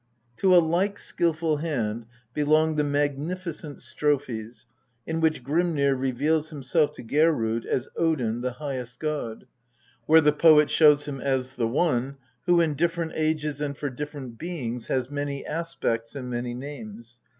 To a like skilful hand belong the magnificent strophes in which Grimnir reveals himself to Geirrod as Odin, the highest god ; where the poet shows him as the One, who in different ages and for different beings has many aspects and many names.